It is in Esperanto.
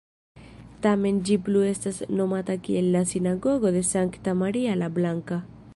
Tamen ĝi plu estas nomata kiel la "Sinagogo de Sankta Maria la Blanka".